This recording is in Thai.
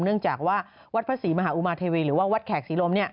เนื่องจากว่าวัดพระศรีมหาอุมาเทวีหรือว่าวัดแขกศรีลม